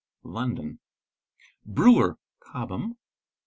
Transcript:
London. Brewer (Cobham).